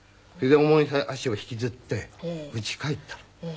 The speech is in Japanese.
それで重い足を引きずってうち帰ったの。